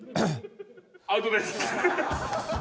アウトです。